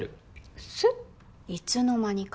いつの間にか？